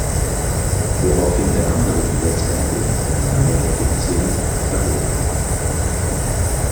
Woraufhin der andere ihn letztendlich, in einer mehrdeutigen Szene, erwürgt.